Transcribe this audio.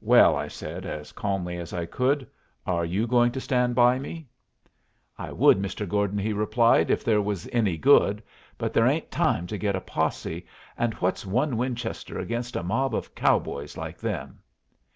"Well," I said, as calmly as I could, "are you going to stand by me?" "I would, Mr. Gordon," he replied, "if there was any good, but there ain't time to get a posse, and what's one Winchester against a mob of cowboys like them?"